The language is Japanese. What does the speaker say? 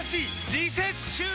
リセッシュー！